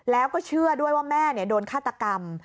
แล้วก็เชื่อด้วยว่าแม่โดนฆาตกรรม